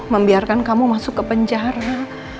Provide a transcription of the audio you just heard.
membiarkan kamu masuk ke penjara